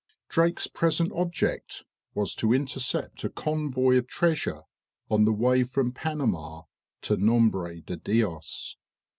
Drake's present object was to intercept a convoy of treasure on the way from Panama to Nombre de Dios.